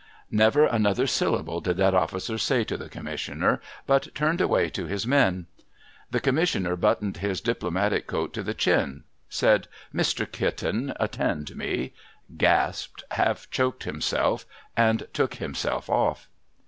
Never another syllable did that officer say to the Commissioner, but turned away to his men. The Commissioner buttoned his Diplomatic coat to the chin, said, ' Mr. Kitten, attend me !' gasped, half choked himself, and took himself off.